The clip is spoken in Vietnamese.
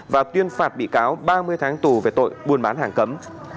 và tuyên phạt bị cáo ba mươi tháng tù về tội buôn bán hàng cấm